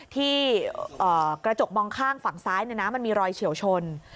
ที่กระจกมองข้างฝั่งซ้ายมันมีรอยเฉียวชน